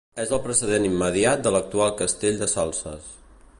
És el precedent immediat de l'actual Castell de Salses.